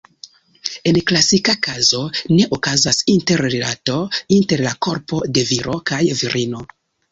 En klasika kazo ne okazas interrilato inter la korpo de viro kaj virino.